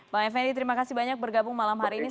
bang effendi terima kasih banyak bergabung malam hari ini